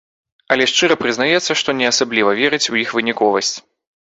Але шчыра прызнаецца, што не асабліва верыць у іх выніковасць.